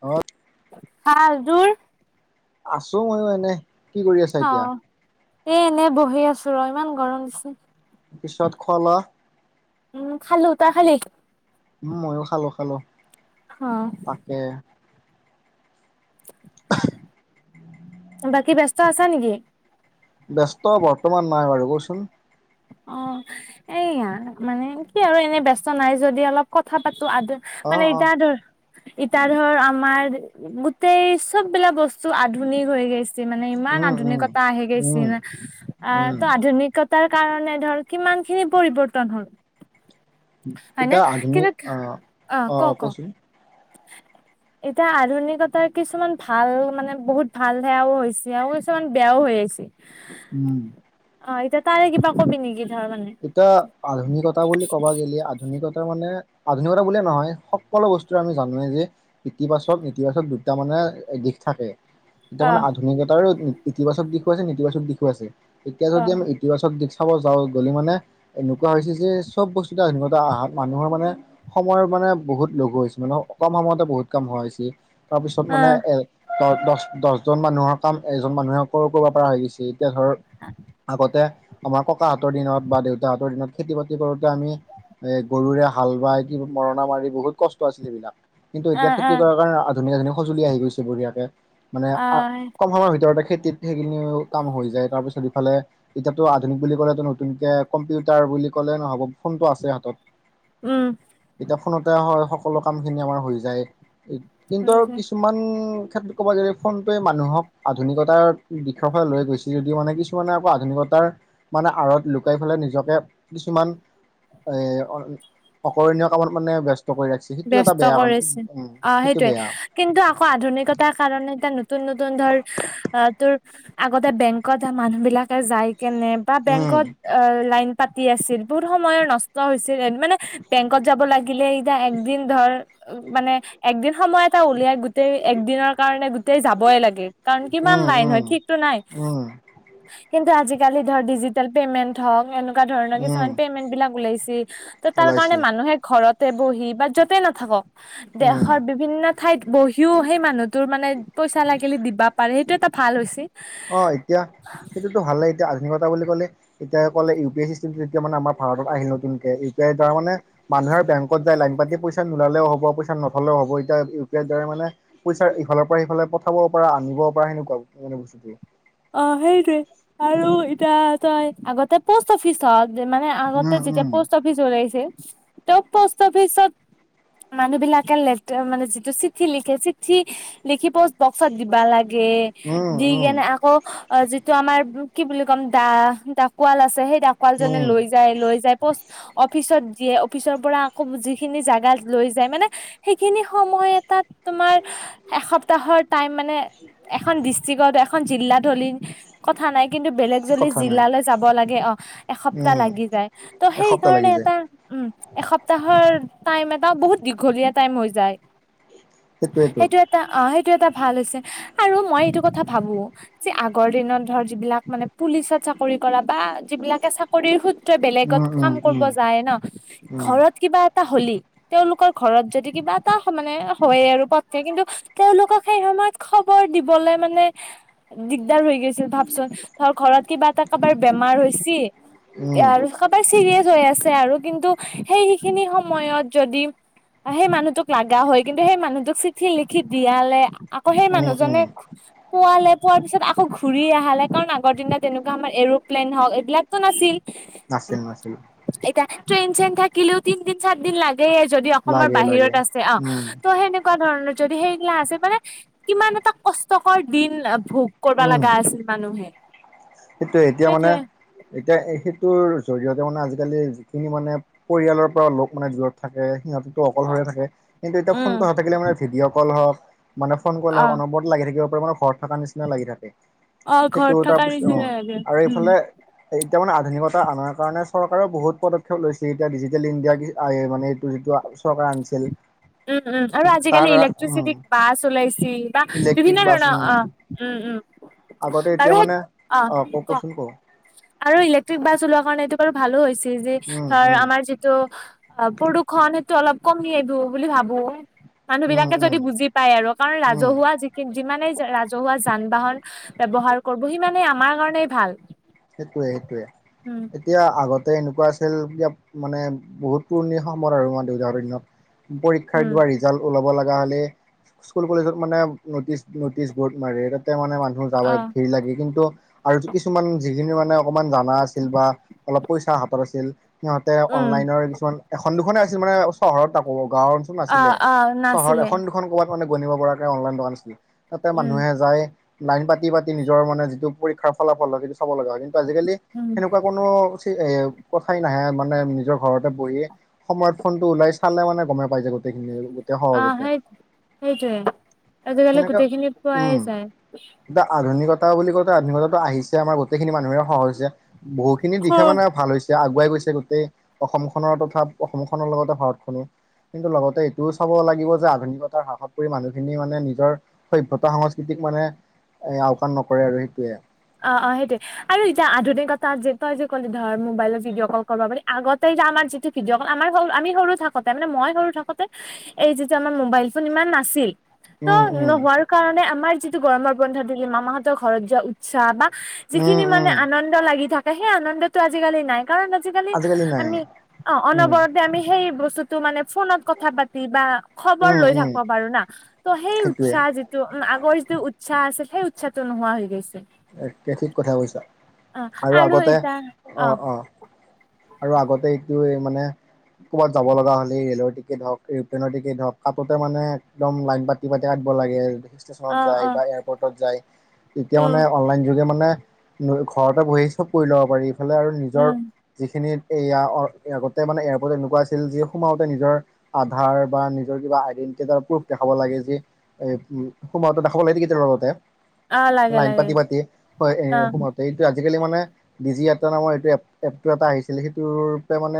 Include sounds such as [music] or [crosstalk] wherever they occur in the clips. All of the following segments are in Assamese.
অ', ভাল, তোৰ? আছো', ময়ো এনে, কি কৰি আছা অ এতিয়া? এ এনেই বহি আছো ৰ ইমান গৰম দিছে পিছত খোৱা লোৱা উম', খালো, তই খালি? উম', ময়ো খালো খালো অ তাকে বাকী ব্যস্ত আছা নেকি? ব্যস্ত বৰ্তমান নাই বাৰু, কচোন? অ', এয়া মানে কি আৰু এনে ব্যস্ত নাই যদি অলপ কথা পাতিম? ত', আ', - অ মানে অ এতিয়া ধৰ এতিয়া ধৰ আমাৰ গোটেই চব বিলাক বস্তু আধুনিক হৈ গৈছে মানে ইমান উম উম আধুনিকতা আহে গৈছে উম না, আ', উম ত', আধুনিকতাৰ কাৰণে ধৰ কিমান খিনি পৰিৱৰ্তন হ'ল? হয়নে এতিয়া আধুনিক কিন্তু আহ আহ অ অ ক', - ক', কচোন এতিয়া আধুনিকতাৰ কিছুমান ভাল মানে বহুত ভাল সেয়াও হৈছে আৰু কিছুমান বেয়াও হৈ আহিছে উম', অ এতিয়া তাৰে কিবা কবি নেকি? ধৰ মানে এতিয়া আধুনিকতা বুলি ক'বা গ'লে আধুনি মানে আধুনিকতা বুলিয়ে নহয় সকলো বস্তুৰে আম জানোৱেই যে ইতিবাচক ইতিবাচক দুটা মানে দিশ থাকে এতিয়া অ মানে আধুনিকতাৰো ইতিবাচক দিশো আছে নেতিবাচক দিশো আছে। এতিয়া অ যদি আমি ইতিবাচক দিশ চাব যাওঁ গ'লে মানে এনেকুৱা হৈছে যে চব বস্তুটো আধুনিকতা আহাত মানুহৰ মানে সময়ৰ মানে বহুত লঘো হৈছে ন অকণমান সময়তে বহুত কাম হোৱা হৈচি। তাৰপিছত অ মানে এ দ দহ দহজন মানুহৰ কাম এজন মানুহেো কৰিব পৰা হৈ গৈছিল। এতিয়া ধৰ আগতে আমাৰ ককাহত হতৰ দিনত বা দেউতাহঁতৰ দিনত খেতি বাতি কৰোতে আমি এ গৰুৰে হাল বাই কিবা মৰণা মাৰি বহুত কষ্ট আছিল এইবিলাক। কিন্তু অ এতিয়া খেতি কৰাৰ কাৰণে আধুনিক আধুনিক সজুলি আহি গৈছে বঢ়িয়াকে। মানে অ অ কম সময়ৰ ভিতৰতে খেতিত সেইখিনিও কাম হৈ যায় তাৰপিছত ইফালে এতিয়াতো আধুনিক বুলি ক'লে টো নতুনকে কম্পিউটাৰ বুলি ক'লে নহ'ব ফোনটো আছে হাতত। উম। এতি ফোনতে হয় সকলো কামখিনি আমাৰ হৈ যায়, কিন্তু আৰু উম কিছুমান ক্ষেত্ৰত ক'ব গ'লে ফোনটোৱে মানুহক আধুনিকতাৰ দিশৰ ফালে লৈ গৈছে যদিও মানে কিছুমানে আকৌ আধুনিকতা তাৰ মানে আঁৰত লুকাই পেলাই নিজকে কিছুমান অকৰণীয় কামত মানে ব্যস্ত কৰি ৰাখিছে সেইটো এটা ব্যস্ত বেয়া কাম কৰিছে উম অ সেইটো সেইটোৱে বেয়া কিন্তু আকৌ আধুনিকতাৰ কাৰণে এতিয়া ন নতুন নতুন ধৰ তোৰ আগতে বেংকত মানুহ বিলাকে যায় কেনে বা উম বেংকত অ লাইন পাতি আছিল বহুত সময় নষ্ট হৈছিল মানে বেংকত যাব লাগিলে এতিয়া একদিন ধৰ মানে একদিন সময় এটা উলিয়াই গোটেই এক দিনৰ কাৰণে গোতেই যাবই লাগে। কাৰণ কি কিমান উম লাইন উম হয় ঠিক ত নাই। উম কিন্তু আজি কালি ধৰ ডিজিটেল পেমেণ্ট হক এনেকোৱা ধৰণৰ উম কিছুমান পেমেণ্ট বিলাক ওলাইছে, ত তাৰ ওলাইছে কাৰণে মানুহে ঘৰতে বহি য'তে নাথাকক উম দেশৰ বিভিন্ন ঠাইত বহিও সেই মানুহটোৰ মানে পইচা লাগিলে দিবা পাৰে, সেইটো এটা ভাল হৈছে। অ এতিয়া সেইটোতো ভালেই। তি আধুনিকতা বুলি'লে এতিয়া কলে ই পি আই চিষ্টেম এতিয়া মানে আমাৰ ভাৰত আহিল নতুনকে, ইউ পি আই তাৰ মানে মানুহৰ বেংকত যায় লাইন পাতি পইচা নোলালেও হব পইচা নথলেও হ'ব এতিয়া ইউ পি আইৰ দ্বাৰ মানে পইচাৰ ইফালৰ পৰা সিফালে পঠাব পৰা আনিব পৰা স [unintelligible] বস্তুোৱে অ সেইটোৱে আৰু এতিয়া তই আগতে পষ্ট অফিচ হত মানে আগতে উম যেতিয়া উম পষ্ট অফিচ ওলাইছিল ত পষ্ট অফিচত মানুহ বিলাকে লে মানে যিটো চিঠি লিখে চিঠি লিখি পষ্ট বক্সত দিবা লাগে। গে উম দি উম কেনে আক অ যিটো আমাৰ কি বুলি কম দা ডাকোৱাল আছে সেই ডকোৱালজনে উম লৈ যায় লৈ যায় পষ্ট অফিচত যিয়ে অফিচৰ পৰা আকৌ যিখিনি জোগাত লৈ যায় মানে সেইখিনি সময় এটাত তোমাৰ এসপ্তাহৰ টাইম মানে এখন ডিষ্ট্ৰিকত এখন জিলাত হ'লে কথা নাই কিন্তু বেলেগ যদি কথা নাই জিলালৈ যাব লাগে অ এসপ্তাহ উম লাগি যায় ত' সেই এসপ্তাহ কাৰণে লাগি যায় এটা উম এসপ্তাহৰ টাইম এটা বহুত দীঘলীয়া টাইম হৈ যায়। সেইটোৱেতো সেইটো এটা অ সেইটো এটা ভাল হৈছে আৰু মই এইটো কথা ভাবো যে আগৰ দিনত ধৰ যিবিলাক মানে পুলিচত চাকৰি কৰা বা যিবিলাকে চাকৰি স বেলেগত উম কাম উম উম কৰিব যায় ন উম ঘৰত কিবা হলি তেওঁলোকৰ ঘৰত যদি কিবা এটা মানে হয় আৰু পতকে কিন্তু তেওঁলোকক সেই মাত খবৰ দিবলে মানে দিগদাৰ হৈ গৈছিল ভাবচোন ধৰ ঘৰত কিবা এটা কাৰোবাৰ বেমাৰ হৈচি উম আৰু সবাৰ চিৰিয়াচ হৈ আছে আৰু কিন্তু সেইখিনি সময়ত যদি সেই মানুহটোক লাগা হয় কিন্তু সেই মানুহটোক চিঠি লিখি দিয়ালে আকৌ সেই উম উম মানুহজনে পোৱালে পোৱাৰ পিছত আকৌ ঘূৰি আহালে কাৰণ আগৰ দিনা তেনেকুৱা আমাৰ এৰ'প্লেন হওক এইবিলাকতো নাছিল নাছিল -নাছিলো। ট্ৰেন চেন থাকিলেও তিন দিন চাৰ দিন লাগে। দেই যদি অসমৰ লাগে লাগে বাহিৰত আছে অ উম ত' সেনেকুৱা ধৰণৰ যদি সেইগিলা আছে মানে কিমান এটা কষ্টকৰ দিন ভোগ কৰিব লগা আছিল মানুহে সেইটোটো এতিয়া মানে সেইটোৱে এতিয়া সেইটোৰ জৰিয়তে তিয়া মানে আজিকালি যিখিনি মানে পৰিয়ালৰ পৰা লোক মানে দূৰত থাকে সিহঁত অকল অ হৈ থাকে কিন্তু এতিয়া উম ফোনতটো হৈ থাকিলে মানে ভিডিঅ কল হওঁক মানে ফোন কলে অ অনবৰতে লাগি থাকিব। পৰিমাণৰ ঘৰত থকাৰ নিচিনা লাগি থাকে অ সেইটো ঘৰত থকা তাৰপিছত অ নিচিনা লাগে আৰু উম এইফালে এই এতিয়া মানে আধুনিকতা অনাৰ কাৰণে চৰকাৰে বহুত পদক্ষেপ লৈছে এতিয়া ডিজিটেল ইণ্ডিয়া মানে এইটো যিটো ওচৰ আনিছিল উম উম আৰু তাৰ আজিকালি দ্বাৰা উম ইলেক্ট্ৰিচিটিক বাছ ওলাইছে বা বিভিন্ন ইলেক্ট্ৰিক বাছ ধৰণৰ উম অ উম- উম আগতে এতিয়া আৰু সেই মানে অ ক আৰু ইলেক্ট্ৰিক বাছ ওলোৱা কাৰণটো ভালো হৈছিল যে উম ধৰ উম আমাৰ যিটো অ প্ৰদূষণ সেইটো অলপ কমি আহিব বুলি ভাবো মানুহ উম বিলাকে উম যদি বুজি পায় আৰু কাৰণ উম ৰাজহুৱা যিখিনি যিমানে ৰাজ ৰাজহুৱা যান বাহন ব্যৱহাৰ কৰিব সি মানে আমাৰ কাৰণেই ভাল। সেইটোয়ে- সেইটোয়ে উম এতিয়া আগত এতিয়া এনেকুৱা আছিল ক মানে বহুত পুৰণি সম্পদ আৰু আমাৰ দেউতাহৰ দিনত উম পৰীক্ষাৰোৱা ৰিজাল্ট ওলাব লাগে গানি স্কুল কলেজত মানে নটিচ নটিচ বৰ্ড মাৰে তাতে মানে য অ ভিৰ লাগি কিন্তু আৰু কিছুমান যিখিনি মানে অকমান জানা আছিল বা অলপ পইচা হাতত আছিল সিহঁতে উম অনলাইনৰ কিছুমান এখন দুখনে আছিল মানে চহৰত আকো গাঁওৰ চোন অ নাছিলে অ চহৰ নাছিলে এখন দুখন ক'বাত মানে গণিব পৰাকে অনলাইন দোকান আছিলে তাতে উম মানুহে যায় লাইন পাতি পাতি নিজৰ মানে যিটো পৰীক্ষাৰ ফলাফল হয় সেইটো চাব লগা হয় কিন্তু আজিকালি উম সেনেকুৱা কোনো এ কথাই নাহে মানে নিজৰ ঘৰতে বহিয়ে সময়ত ফোনটো ওলাই চালে মানে গমে পাই যা ব [unintelligible] অ সেই সেইটোৱে আজিকালি সেনেকে গোটেইখিনিত পোৱাই যায় তা বুলি কওতে আধুনিকতাতো আহিছে আমাৰ গোটেইখিনি মানুহে সহজ হৈছে বহুখিনি দিশে অ' মানে ভাল হৈছে। এতিয়া আগুৱাই গৈছে গোটেই অসমখনৰ তথা অসমখনৰ লগতে ভাৰতখনো কিন্তু লগতে এইটোও চাব লাগিব যে আধুনিকতাৰ হ্ৰাসত পৰি মানুহখিনি মানে নিজৰ সভ্যতা সংস্কৃতিক মানে এ আওকাণ নকৰে আৰু সেইটোৱে অ অ সেইটোয়ে আৰু এতিয়া আধুনিক কতাত যে তই যে ক'ল ধৰ মোবাইলত ভিডিঅ' কল কৰিব বুলি আগতেই আমাৰ যিটো ভিডিঅ'কল আমাৰ সৰু আমি সৰু থাকোতে মানে মই সৰু থাকোতে এই যিটো আমাৰ মোবাইল ফোন ইমান নাছিল ত উম উম নোহোৱাৰ কাৰণে আমাৰ যিটো গৰমৰ বন্ধ দি লে মামাহতৰ ঘৰত যোৱা উৎসাহ বা উম যিখিনি উম মানে আনন্দ লাগি থাকে সেই আনন্দটো আজিকালি নাই কাৰণ আজিকালি আমি অ উম অনবৰতে আমি সেই্ ব বস্তুো মানে ফোনত কথা পাতি বা খবৰ উম লৈ উম থাকিব পাৰো না ত সেই সেইটোৱে উৎসাহ যিটো আগৰ যিটো উ উচ্ছা আছিলে উচ্ছাতো নোহোৱা হৈ গৈছে তে ঠিক কথা কৈছা অ আৰু আগতে এতিয়া অ অ আৰু আগতে এইটো মানে ক'ৰবাত যাব লগা হলে ৰেলৰ টিকট হওক এৰোপ্লেন টিকেট হওক তাতে মানে একদম লাইন পাতি পাতি যাব লাগে ষ্টেচনত অ যায় অ এয়াৰপৰ্তত যায় তেতিয়া উম মানে আইনযোগে মানে ঘৰতে বহি আহি চব কৰি ল'ব পাৰি ইফালে আৰু নিজৰ উম যিখিনি এয়া আগতে মানে এয়াৰপৰ্ট এনেকুৱা আছিল যি সোমাওঁতে নিজৰ আধাৰ বা নিজৰ কিবা আইডেনটিতি প্ৰুভ দেখাব লগে যিতিয়া সোমাওতে দেখাব লাগে লগতে অ লাগে লাইন লাগে। পাতি পাতি হয় এ অ সোমাওতে এইটো আজিকালি মানে ডি জি এটা নামৰ এইটো এ এপটো এটা আহিছিলে সেইটোৰূপে মানে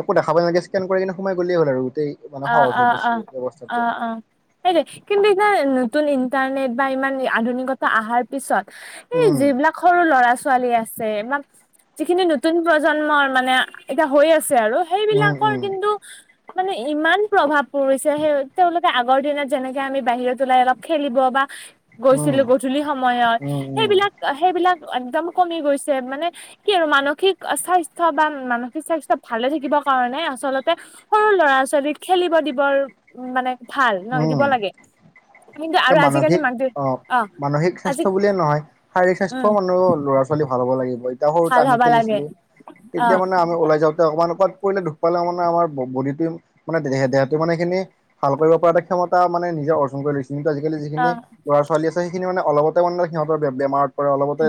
একো দেখাব নালাগে চেকিন কৰিনে সোমাই গলেই হ'ল আৰু। গোটেই মানে অ সহজ অ হৈ অ পৰিছে অ ব্যৱস্থাটো অ এ কিন্তু নতুন ইন্টাৰনেট বা ইমান আধুনিকতা অহাৰ পিছত এই উম যিবিলাক সৰু ল'ৰা ছোৱালী আছে যিখিনি নতুন প্ৰজন্মৰ মানে এতিয়া হৈ আছে আৰু উম সেইবিলাকৰ উম কিন্তু মানে ইমান প্ৰভাৱ পৰিছে সেই তেওঁলোকে আগৰ দিনত যেনেকে আমি বাহিৰত ওলাই অলপ খেলিব বা উম গৈছিলো গধূলি সময়ত উম উম সেইবিলাক সেইবিলাক একদম কমি গৈছে মানে কি আৰু মানসিক স্বাস্থ্য বা মানসিক স্বাস্থ্য ভালে থাকিব। কাৰণে আচলতে সৰু ল'ৰা ছোৱালীক খেলিব দিবৰ মানে ভাল নহ উম দিব লাগে। কিন্তু এ আৰু আজিকালি মানসিক মাক দেউ অ মানসিক আজি স্বাস্থ্য বুলিয়ে নহয় শাৰীৰিক উম স্বাস্থ্যও মানুহ ল'ৰা ছোৱালী ভাল হ'ব লাগিব এতিয়া সৰুতে ভাল আমি হবা লাগে খেলিছিলো অ তেতিয়া মানে আমি ওলাই যাওঁতে অকণমান পৰিলে দুখ পালে মানে আমাৰ বডীফিম মানে দেহটো মানে হেখিনি ভাল কৰিব উৎপাজন কক্ষমতা মানে নিজে অৰ্জন কৰি লৈছে কিন্তু আজিকালি যিখিনি অ ল'ৰা ছোৱালী আছে মানে অলপতে মানে সিহঁত বেমাৰ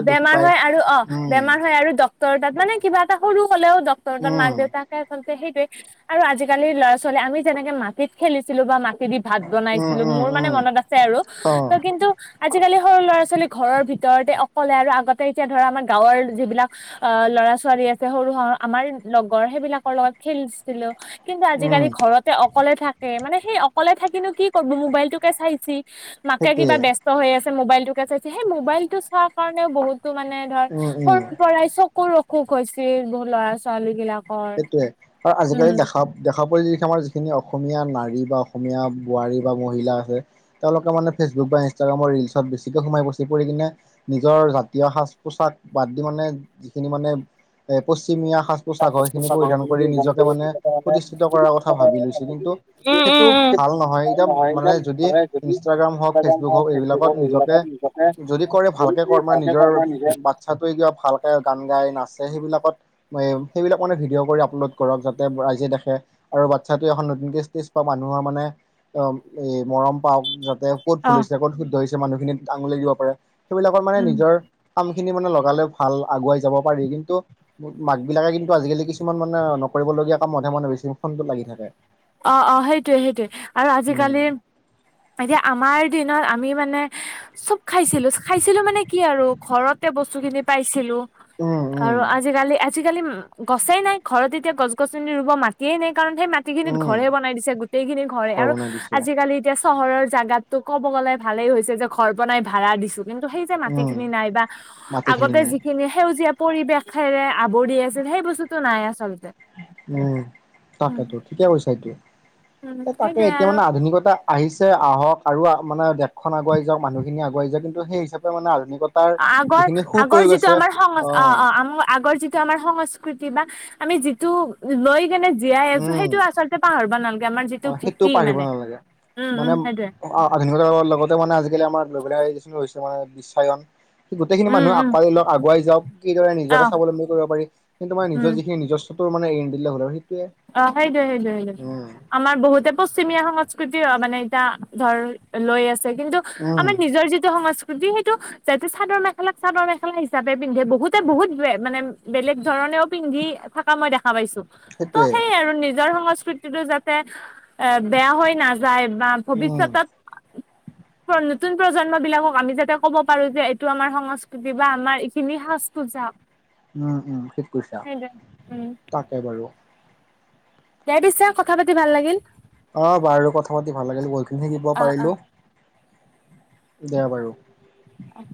বেমাৰ হয় আৰু অ বেমাৰ হয় আৰু ডক্তৰ তাত মানে কিবা এটা সৰু হ'লেও ডক্তৰ বা উম মাক দেউতাক সেইটোৱে আৰু আজিকালি ল'ৰা ছোৱালীয়ে আমি যেনেকে মাটিত খেলিছিলো বা দি ভাত উম বনাইছিলো উম মোৰ মানে উম মনত আছে আৰু অ কিন্তু আজিকালি সৰু ল'ৰা ছোৱালী ঘৰৰ ভিতৰতে ক'লে আৰু আগতে এতিয়া ধৰা আমাৰ গাঁৱৰ যিবিলাক অ ল'ৰা ছোৱালী আছে সৰু আমাৰ লগৰ সেইবিলাকৰ লগত খেলিছিলো। কিন্তু উম আজিকালি ঘৰতে অকলে থাকে মানে সেই অকলে থাকিনো কি কৰিব মোবাইলটোকে চাইছে। মাকে সেইটোৱে কিবা ব্যস্ত হৈ আছে মোবাইলটোকে চাইছে সেই মোবাইল টো চোৱাৰ কাৰণেও বহুত মানে ধৰ উম উম সৰুৰ পৰাই চকুৰ অসুখ হৈছিল বহুত ল'ৰা ছোৱালী বিলাক। সেইটোয়ে আৰু আজিকালি দেখা দেখা যায়। যিখিনি অসমীয়া নাৰী বা অসমীয়া বোৱাৰী বিলগ আছে তেওঁলোকে মানে ৰেলত বেছিকে সোমায় পৰি কিনে নিজৰ জাতীয় সাজ পছাক বাদ দি মানে মানে এ পশ্চিমীয়া সাজ পোছাক খিনি পৰিধান কৰি নিজকে মানে উম সেইটো উম ভাল নহয় এতিয়া মানে যদি ইনষ্টাগ্ৰাম হওঁক ফেচবুক হওক এইবিলাকত নিজকে যদি কৰে ভালকে তুমি কৰ মানে নিজৰ কৰ্মই নিজে বাচ্ছাটোৱে ভালকে গান গাই না- সেইবিলকত মানে ভিডিঅ' কৰি আপলোড কৰক যাতে ৰাইজে দেখে আৰু বাচ্ছা এখন নতুনকৈ ষ্টেজ বা মানুহৰ মানে অ এই মৰম পাও যত ক'ত অ ভুল হৈছে ক'ত শুদ্ধ হৈছে মানুহখিনি আাঙুলিাই দিব পাৰে সেইবাৰক মানে উম নিজৰ কাম খিনি মানে লগালে ভাল আগুৱাই যাব পাৰি কিন্তু মাক বিলাকে কিন্তু আজিকালি কিছুমান মানে নকৰিবলগীয়া কামতহে মানে বেছি [unintelligible] থাকে অ অ সেইটোৱে সেইটোৱে আৰু উম আজিকালি এতিয়া আমাৰ দিনত আমি মানে চব খাইছিলো খাইছিলো মানে কি আৰু ঘৰতে বস্তু খিনি পাইছিলো। উম উম আৰু আজিকালি আজিকালি গছেই নাই ঘৰত এতিয়া গছ গছনি ৰুব মাটিয়ে নাই। কাৰণ সেই মাটি খিনিত উম ঘৰে বনাই দিছে গোটেই খিনি ঘৰে ঘৰ আৰু বনাই দিছে আজিকালি। এতিয়া চহৰৰ জাগাত ক'ব গ'লে ভালেই হৈছে যে ঘৰ বনাই ভাড়া দিছো কিন্তু সেই যে উম মাটিখিনি নাই বা মাটিখিনি আগতে নাই যিখিনি সেউজীয়া পৰিৱেশেৰে আৱৰি আছিল সেই বস্তুতটো নাই আচলতে [unintelligible] উম উম তাকেতো ঠিকে কৈছা এইটো উম এ তাকে সেইটোয়ে এতিয়া আৰু মানে আধুনিকতা আহিছে আহক আৰু মানে দেশখন আগুৱাই যাওক মানুহখিনি আগুৱাই যাওক। কিন্তু সেই হিচাপে মানে আধুনিক অ আগৰ আগৰ যিটো আমাৰ সং অ অ আ আগৰ যিটো আমাৰ সংস্কৃতি বা আমি যিটো লৈ কেনে জীয়াই আছো উম সেইটো আচলতে পাহাৰব নাল অ সেইটোও পহৰিব নালাগে। উম মানে উম সেইটোয়ে আধুনিকতাৰ লগতে মানে আজিকালি আমাৰ লৈ [unintelligible] ে বিশ্বায়ন স গোটেইখিনি উম মানুহ উম আকোৱালী লওক আগুৱাই যাওক [unintelligible] কিদৰে অ নিজকে স্বলম্বী কৰিব পাৰি কিমাৰ উম নিজৰ যিখিন নিজস্বৰ মানে ঐৰি নিদিলে হল আৰু দেই [unintelligible] অ সেইটোৱেই সেইটোৱেই সেইটোৱেই [unintelligible] আমাৰ বহুতে পশ্চিমীয়া সংস্কৃতি মানে এতিয়া ধৰ লৈ আছে কিন্তু উম আমাৰ নিজৰ যিটো সংস্কৃতি সেই যটো চাদৰ মেখেলাক চাদৰ মেখেলা হিচাপে পিন্ধে বহুতে বহুত ব মানে বেলেগ ধৰণেও পিন্ধ পিন্ধি থকা মই দেখা পাইছো ত সেইটোৱে সেই আৰু নিজৰ সংস্কৃতিতটো যাতে এ বেয়া হৈ না যায় বা উম ভৱিষ্যতত নতুন প্ৰজন্ম বিলাকক আমি যাতে ক'ব পাৰো যে এইটো আমাৰ সংস্কৃতি বা আমাৰ এইখিনি স সূজা উম উম থিক কৰিছা উম তাকে বাৰু [unintelligible] দে পিছে কথা পাতি ভাল লাগিল অ বাৰু কথা পাতি ভাল লাগিল বহুত খিনি শিকিব অ অ পাৰিলো দিয়া বাৰু অ